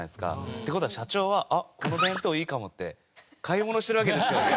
って事は社長は「あっこの弁当いいかも」って買い物してるわけですよ。